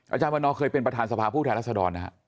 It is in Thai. อาจารย์วันนอเคยเป็นประธานสภาผู้แทนรัศดรนะฮะ